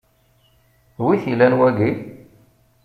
Wi t-ilan wagi?